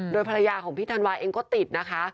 โดยภรรยาของพี่ธันวาเองก็ติดนะคะ